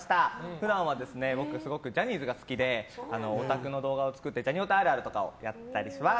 普段は僕、ジャニーズが好きでオタクの動画を作ってジャニオタあるあるとかをやったりしてます。